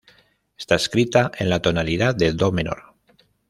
Está escrita en la tonalidad de "do menor".